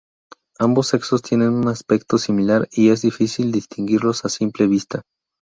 Ambos sexos tienen un aspecto similar y es difícil distinguirlos a simple vista.